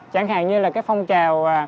chẳng hạn như là cái phong trào